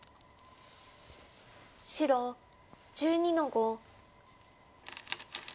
白１２の五。